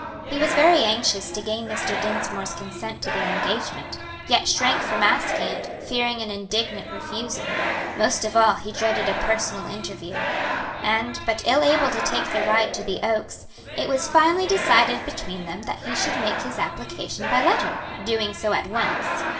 He was very anxious to gain Mr. Dinsmore's consent to their engagement, yet shrank from asking it, fearing an indignant refusal; most of all, he dreaded a personal interview; and, but ill able to take the ride to the Oaks, it was finally decided between them that he should make his application by letter, doing so at once.